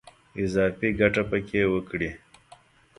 اضافي ګټه په کې وکړي.